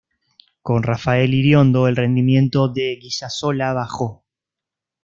Con Rafael Iriondo, el rendimiento de Guisasola bajó.